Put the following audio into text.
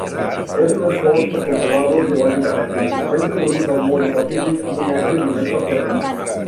En un esforç per controlar-los biològicament, es va introduir salmó del Pacífic, amb un èxit només parcialment.